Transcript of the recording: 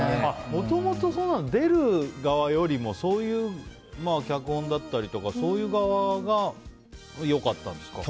もともと出る側よりも脚本だったりとかそういう側がよかったんですか。